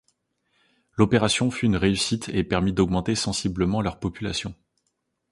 L'opération fut une réussite et permit d'augmenter sensiblement leur population.